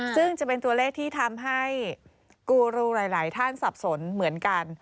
ซึ่งจะเป็นตัวเลขที่ทำให้กูรูหลายท่านสับสนเหมือนกัน